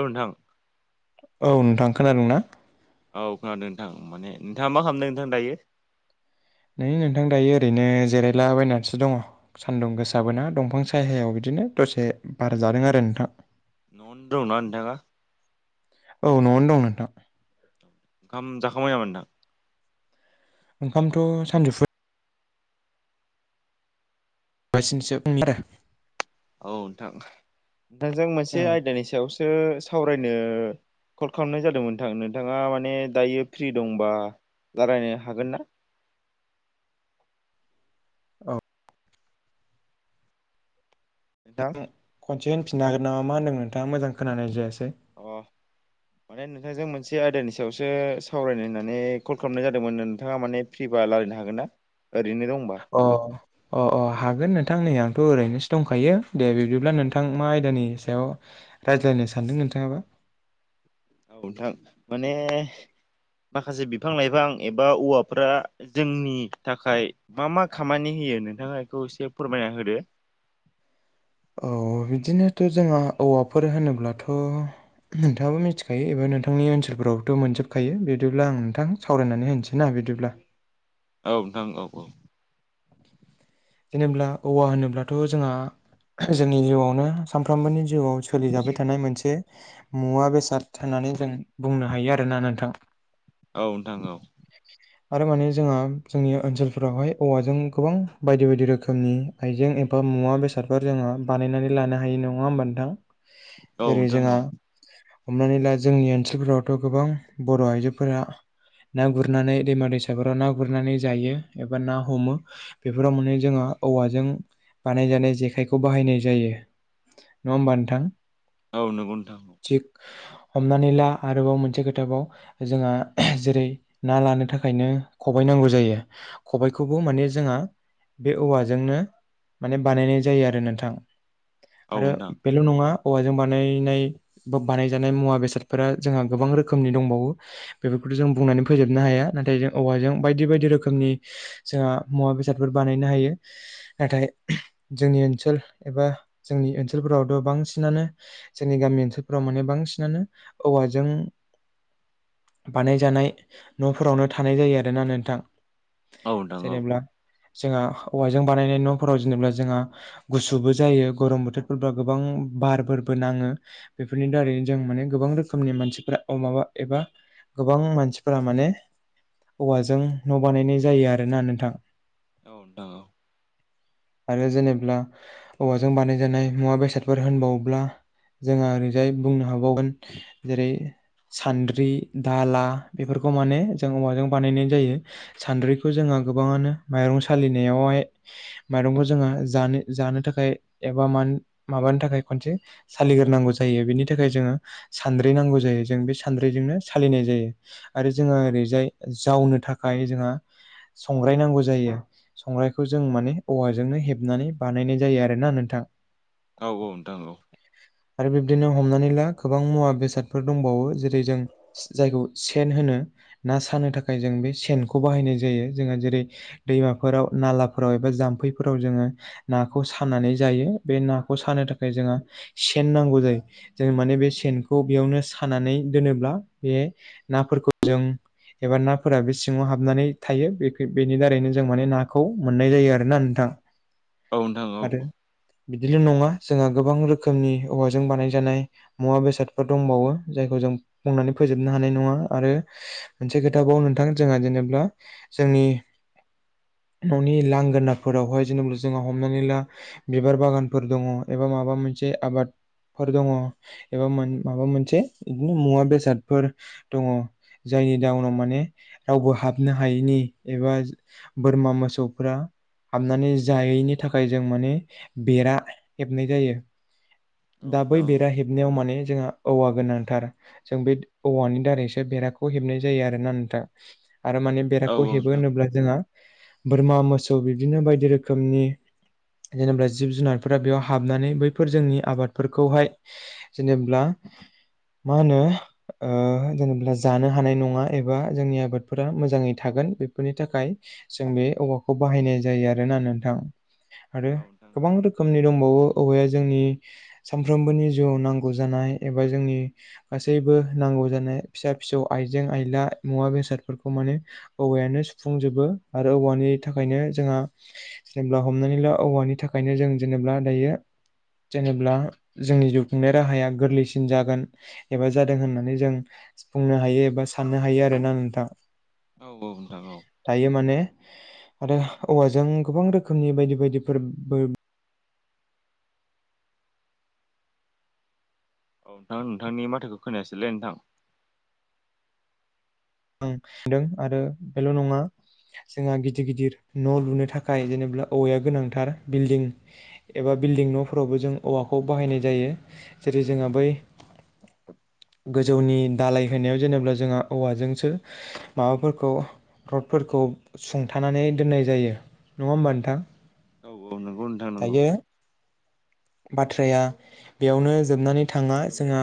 औ नोंथां। औ नोंथां खोनादोंना? औ खोनादों नोंथां माने नोंथाङा मा खालामदों नोंथां दायो? नै नोंथां दायो ओरैनो जिरायलाबायनानैसो दङ' सान्दुं अ गोसाबोना दंफां सा सायहायाव बिदिनो दसे बार जादों आरो नोंथां। न'आवनो दं ना नोंथांआ? औ न'आवनो दं नोंथां। खाम जाखांबाय नामा नोंथां? ओंखामथ' सानजौफु [unintelligible] नोंथांजों मोनसे औ आयदानि सायावसो सावरायनो कल खालामनाय जादोंमोन नोंथां नोंथाङा माने दायो फ्रि दंबा लारायनो हागोन ना? औ नोंथां फिन होनफिननो हागोननामा मा होनदोंमोन नोंथाङा मोजां खोनानाय जायासै? अ माने नोंथांजों मोनसे आयदानि सायावसो सावरायनो होननानै कल खालामनाय जादोंमोन नोंथाङा माने फ्रि बा बा रायलायनो हागोन ना? ओरैनो दंबा अ अ अ हागोन थां नै आंथ' ओरैनोसो दंखायो दे बिब्दिब्ला नोंथां मा आयदानि सायाव रायज्लायनो सानदों थाङाबो औ नोंथां माने माखासे बिफां लाइफां एबा औवाफोरा जोंनि थाखाय मा मा खामानि यो नोंथाङा बेखौ एसे फोरमायना होदो। औ बिदिनोथ' जोंहा औवाफोर होनोब्लाथ' नोंथाङाबो मिथिखायो एबा नोंथांनि ओनसलफोरावबोथ' मोनजोबखायो बिदिब्ला आं नोंथां सावरायनानै होनोसै ना बिदिब्ला। औ नोंथां औ औ। जेनेबा औवा होनोब्लाथ' जोंहा जोंनि जिउआवनो सानफ्रामबोनि जिउआव सोलिजाबाय थानाय मोनसे मुवा बेसाद होननानै जों बुंनो हायो आरोना नोंथां। औ नोंथां औ। आरो माने जोंहा जोंनि ओनसोलफोरावहाय औवाजों गोबां बायदि बायदि रोखोमनि आइजें एबा मुवा बेसादफोर जोङो बानायनानै लानो हायो नङा होमबा नोंथां? औ जेरै नोंथां औ। जोंहा हमनानै ला जोंनि ओनसोलफोरावथ' गोबां बर' आइजोफोरा ना गुरनानै दैमा दैसाफोराव ना गुरनानै जायो एबा ना हमो बेफोराव मोने जोंहा औवाजों बानायजानाय जेखायखौ बाहायनाय जायो‌। औ नोंथां औ नंगौ नोंथां। थिग हमनानै ला आरोबाव मोनसे खोथाबाव जोंहा जेरै ना लानो थाखायनो खबाय ना नांगौ जायो खबाइखौबो माने जोंहा बे औवाजोंनो माने बानायनाय जायो आरो नोंथां। औ आरो नोंथां बेल' नङा हौवाजों बानायनाय बा बानायजानाय मुवा बेसादफोरा जोंहा गोबां रोखोमनि दंबावो। बेफोर फोरखौ जों बुंनानै फोजोबनो हाया नाथाय जों औवा जों बायदि बायदि रोखनि जोंहा मुवा बे सादफोर बानायनो हायो नाथाय। जोंनि ओनसोल एबा जोंनि ओनसोलफोरावथ' बांसिनानो जोंनि गामि ओनसोलफोराव माने बांसिनानो औवाजों [inaudible] बानायजानाय न'फोरावनो थानाय जायो आरोना नोंथां। औ नोंथां औ। जेनेब्ला जोंहा औवाजों बानायनाय न'फोराव जेनेबा जोंहा गुसुबो जायो गरम बोथोरफोरब्ला गोबां बार फोरबो नाङो बेफोरनि दारैनो जों माने गोबां रोखोमनि मानसिफोरा अ माबा एबा गोबां मानसिफोरा माने औवाजों न' बानायनाय जायो आरो ना नोंथां। औ नोंथां औ। आरो जेनेब्ला औवाजों बानायजानाय मुवा बेसादफोर होनबावोब्ला। जोंहा ओरैजाय बुंनो हाबावगोन जेरै सान्द्रि दाला बेफोरखौ माने जों औवाजों बानायनाय जायो। सान्द्रिखौ जोङो दा गोबाङानो माइरं सालिनायावहाय माइरंखौ जोङो जानो जानो थाखाय एबा मान माबा नो थाखाय खनसे सालिग्रोनांगौ जायो बेनि थाखाय जोङो सानद्रि नांगौ जायो जों बे सानद्रिजोंनो सालिनाय जायो आरो जोंहा ओरैजाय जावनो थाखाय जोंहा संग्रायनांगौ जा जायो। संग्रायखौ जों माने औवाजोंनो हेबनानै बानायनाय जायो आरोना नोंथां। औ औ नोंथां औ। आरो बिब्दिनो हमनानै ला गोबां मुवा बेसादफोर दंबावो जेरै जों जायखौ सेन होनो। ना सानो थाखाय जों बे सेनखौ बाहायनाय जायो जोंहा जेरै दैमाफोराव नालाफोराव एबा जाम्फैफोराव जोङो नाखौ सनानै जायो बे नाखौ सानो थाखाय जोंहा सेन नांगौ जायो। जों माने बे सेनखौ बेयावनो सानानै दोनोब्ला बे नाफोरखौ जों एबा नाफोरा बे सिङाव हाबनानै थायो बे बेनि दारैनो जों माने नाखौ मोननाय जायो आरोना नोंथां। औ नोंथां आरो औ। बिदिल' नङा जोंहा गोबां रोखोमनि औवाजों बानायजानाय मुवा बेसादफोर दंबावो जायखौ जों बुंनानै फोजोबनो हानाय नङा आरो मोनसे खोथाखौाव नोंथां जोंहा जेनेबा जोंनि नि [inaudible] न'नि लांगोनाफोरावहाय जेनेबा जोंहा हमनानै ला बिबार बागानफोर दङ एबा माबा मोन से आबाद फोर दङ एबा मोन माबा मोनसे बिदिनो मु-मुवा बेसादफोर दङ। जायनि जाउनाव माने रावबो हाबनो हायैनि एबा बोरमा मोसौफ्रा हाबनानै जायैनि थाखाय जों माने बेरा हेबनाय जायो। दा बै बेरा हेबनायाव माने जोंहा औवा गोनांथार। जों बे औवानि दारैसो बेराखौ हेबनाय जायो आरोना नोंथा। आरो मान औ बेरादखौ हेबो होनोब्ला जोंहा बोरमा मोसौ बिदिनो बायदि रोखोमनि जेनेबा जिब जुनारफोरा बेयाव हाबनानै बैफोर जोंनि आबादफोरखौहाय जेनेब्ला [unintelligible] मा होनो ओ जेनेब्ला जानो हानाय नङा एबा जोंनि आबादफोरा मोजाङै थागोन। बेफोरनि थाखाय जों बे औवाखौ बाहायनाय जायो आरोना नोंथां। आरो गोबां रोखोमनि दंबावो औवाया जोंनि सानफ्रोमबोनि जिउआव नांगौ जानाय एबा जोंनि गासैबो नांगौ। जानाय फिसा फिसौ आइजें आइला मुवा बेसादफोरखौ माने हौवायानो सुफुं सुफुंजोबो आरो औवानि थाखायनो जोंहा जेनेबा हमनानै ला औवानि थाखायनो जों जेनेबा मा दायो। जेनेब्ला जोंनि जिउ खुंनाय राहाया गोरलैसिन जागोन एबा जादों होननानै जों बुंनो हायो एबा साननो हायो आरोना नोंथां। दायो माने आरो औवाजों गोबां रोखोमनि बायदि बायदिफोरबो औ नोंथां नोंथांनि माथोखौ खोनायासैलै नोंथां। आं सानदों आरो बेल' नङा [inaudible] जोंहा गिदिर गिदिर न' लुनो थाखाय जेनेब्ला औवाया गोनांथार बिल्डिं एबा बिल्डिं न'फोरावबो जों औवाखौ बाहायनाय जायो जेरै जोंहा बै [unintelligible] गोजौनि दालाय होनायाव जेनेब्ला जोंहा औवाजोंसो माबाफोरखौ रडफोरखौ सुंथानानै दोननाय जायो नङा होमबा नोंथां। खथांगौ [inaudible] दायो बाथ्राया बेयावनो जोबनानै थाङा जोंहा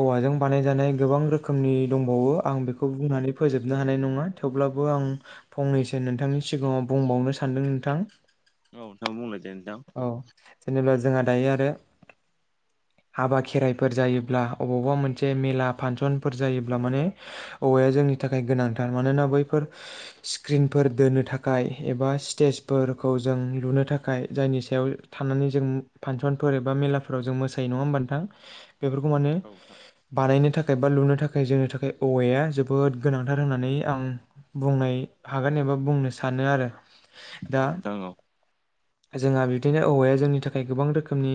औवाजों बानायजानाय गोबां रोख खोमनि दंबावो आं बेखौ बुंनानै फोजोबनो हानाय नङा थेवब्लाबो आं फंनैसो नोंथांनि सिगाङाव बुंबावनो सानदों नोंथां। औ नोंथाङा बुंलाय। दे नोंथां औ जेनेबा जोंहा दायो आरो। [unintelligible] हाबा खेराइफोर जायोब्ला अबावबा मोनसे मेला फानसनफोर जायोब्ला माने ओवाया जोंनि। नि थाखाय गोनांथार मानोना बैफोर स्क्रिनफोर दोनो थाखाय एबा स्टेजफोरखौ। खौ जों लुनो थाखाय। जायनि सायाव थानानै जों फांसनफोर एबा मेलाफोराव जों मोसायो नङा होमबा नोंथां। बेफोरखौ माने औ नोंथां बानायनो। थाखाय बा लुनो थाखाय जोंनि थाखाय औवाया जोबोद गोनांथार होननानै आं बुंनाय हागोन जेनेबा बुंनो सानो आरो दा औ दाङ औ। जोंहा बिदिनो औवाया जोंनि थाखाय गोबां रोखोमनि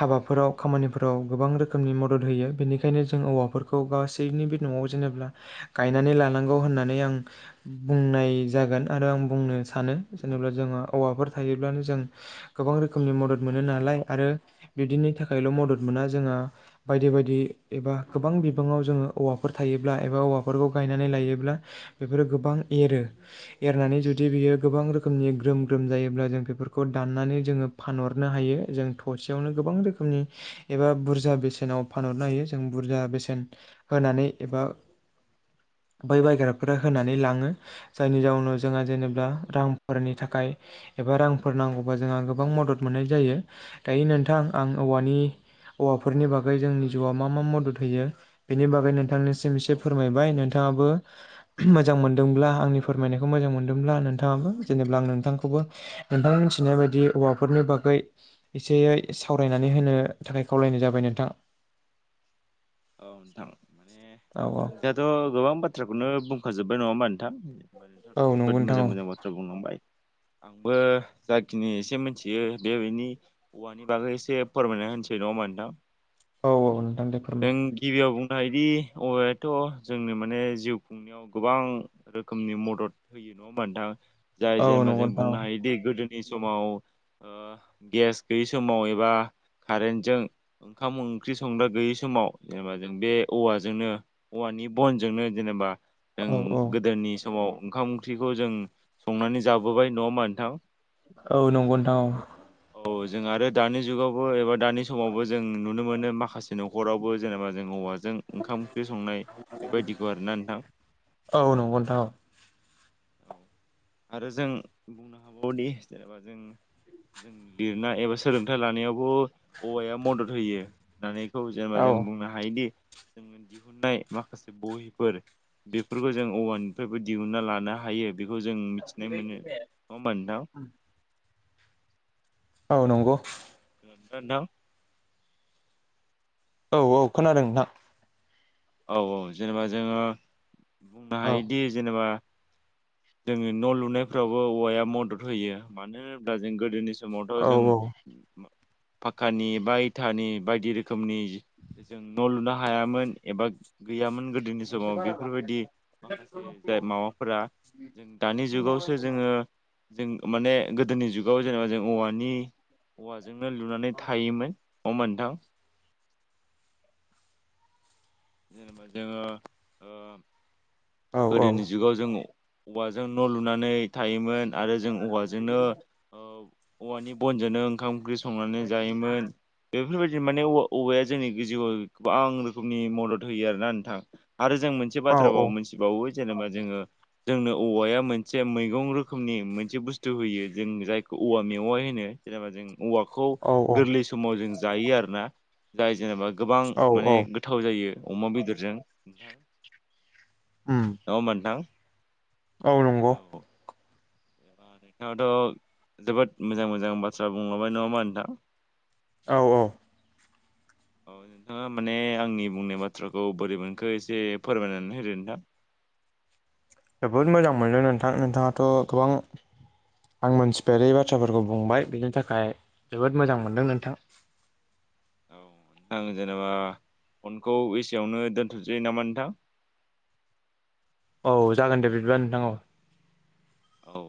हाबाफोराव खामानिफोराव गोबां रोखोमनि मदद होयो बेनिखायनो जों औवाफोरखौ गासैनि बे न'आव जेनेबा गायनानै लानांगौ होननानै बुंनाय जागोन आरो आं बुंनो सानो जेनेबा जोंहा औवाफोर थायोब्लानो जों गोबां रोखोमनि मदद मोनो नालाय आरो बिदिनि थाखायल' मदद मोना जोंहा बायदि बायदि एबा गोबां बिबाङाव जोङो औवाफोर थायोब्ला एबा औवाफोरखौ गायनानै लायोब्ला बेफोरो गोबां एरो एरनानै जुदि बियो गोबां रोखोमनि ग्रोम ग्रोम जायोब्ला जों बेफोरखौ दनानै जोङो फानहरनो हायो जों थसेयावनो गोबां रोखोमनि एबा बुरजा बेसेना। फानहरनो हायो जों बुरजा बेसेन होनानै एबा। [unintelligible] बै बायग्राफोरा होनानै लाङो जायनि जाउनाव जोंहा जेनेबा रांफोरनि थाखाय एबा रां फोर नांगौबा जोंहा गोबां मदद मोननाय जायो दायो नोंथां। आं औवानि औ औवाफोरनि बागै जोंनि जिउआव मा मा मदद होयो बेनि बागै नोंथांनि। एसे औ फोरमायबाय नोंथाङाबो। मोजां मोनदोंब्ला आंनि फोरमायनायखौ मोजां मोनदोंब्ला नोंथाङाबो जेनेबा आं नोंथांखौबो नोंथाङा मिथिनाय बायदि हौवाफोरनि बागै एसेयै सावरायनानै होनो थाखाय खावलायनाय जाबाय नों थां। औ नोंथां माने औ दाथ' गोबां बाथ्रा बेखौनो बुंख जोब्बाय नङा होनोमा नोंथाङा औ नोंथांथ' नंगौ जोबोद नोंथां मोजां औ मोजां बाथ्रा बुंलांबाय आंबो जाखिनि एसे मिथियो बे बेनि औवानि बागै एसे फोरमायना होनसै न' [unintelligible] औ औ दे। फोरमाय नों गिबियाव बुं बायदि औवायाथह जोंनो माने जिउ खुंनायाव गोबां रोखोमनि मदद होयो नोंथां जाय औ जेनेबा नंगौ जों नोंथां बुंनो औ हायोदि गोदो नि समाव गेस गैयि समाव एबा कारेन्टजों ओंखाम ओंख्रि संनो गैयि समाव जेनेबा जों बे औवाजोंनो औवानि बनजोंनो जेनेबा जों औ औ गोदोनि समाव ओंखाम ओंख्रिखौ जों संनानै जाबोबाय न' मा नोंथां? औ नंगौ नथां औ ‌। औ जों आरो दानि जुगावबो एबा दानि समावबो जों नुनो मोनो माखासे न'खरावबो जेनेबा जों औवा ज ओंख ओंख्रि संनाय बेफोरबायदिखौ आरोना नोंथां। औ नंगौ नोंथां औ आरो जों बुंनो हाबावोदि जेनेबा जों जों लिरनाय एबा सोलोंथाइ लानायावबो औवाया मदद होयो होननानै खौ जेनेबा औ जों बुंनो हायोदि जों दिहुननाय माखासे बहिफोर बेफोरखौ जों औवानिफ्रायबो दिहुनन्ना लानो हायो बेखौ जों मिथिनाय मोनो नङा होमबा नोंथां? औ नंगौ। [unintelligible] औ औ खोनादों ना। औ औ जेनेबा जोङो बुंनो औ हायोदि जेनेबा जोङो न' लुनायफ्रावबो औवाया मदद होयो मानो होनब्ला जों गोदोनि समाव समावथ' औ जों औ फक्कानि बा इथानि बायदि रोखोमनि जों न' लुनो हायामोन एबा गैयामोन गोदोनि औ समाव बेफोरबायदि माखासे जाय माबाफोरा जों दानि जुगावसो जोङो जों माने गोदोनि जुगाव जेनेबा जों औवानि औवाजोंनो लुनानै थायोमोन [unintelligible] मोनथाम? जेनेबा जोङो औ औ गोदोनि जुगाव जों औवाजों न' लुनानै थायोमोन आरो जों औवाजोंनो औवानि बनजोंनो ओंखाम ओंख्रि संनानै जायोमोन बेफोरबायदिनो माने औबवाया जोंनि जिउआव गोबां नि मदद होयो आरो ना नोंथां आरो जों मोनसे बाथ्रा मोनथिबावो जेनेबा जोङो जोंनो औवाया मोनसे मैगं रोखोमनि मोनसे बुस्थु होयो जों जायखौ औवा मेवा होनो जेनेबा जों औवाखौ औ गोरलै समाव जों जायो आरो ना जाय जेनेबा गोबां माने औ गोथाव जायो अमा बेदरजों नोंथां [unintelligible] औ नंगौ। नोंथाङथ' जोबोद मोजां मोजां बाथ्रा बुंलांबाय नङामा नोंथां? औ औ। [inaudible] औ नोंथाङा माने आंनि बुंनाय बाथ्राखौ बोरै मोनखो एसे फोरमायनानै होदो नोंथां? [inaudible] जोबोद मोजां मोनदों नोंथां नोंथाङाथ' गोबां आं मोनथिफेरै बाथ्राफोरखौ बुंबाय बिनि थाखाय जोबोद मोजां मोनदों नोंथां। औ नोंथां जेनेबा फनखौ एसेयावनो दोनथसै नामा नोंथां। [inaudible] औ जागोन दे बिदिबा नोंथां औ। औ